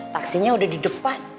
taksinya udah di depan